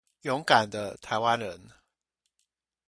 勇敢的臺灣人